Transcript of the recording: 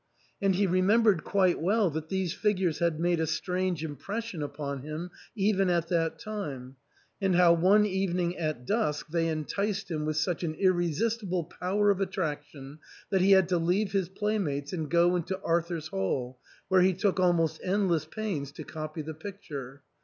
And he remembered quite well that these figures had made a strange impression upon him even at that time, and how one evening at dusk they enticed him with such an irresistible power of attraction, that he had to leave his playmates and go into Arthur's Hall, where he took almost endless pains to copy the picture.